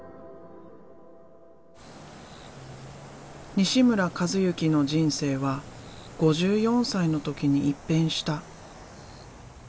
西村一幸の人生は５４歳の時に一変した。